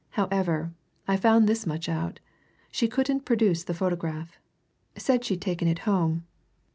However, I found this much out she couldn't produce the photograph. Said she'd taken it home.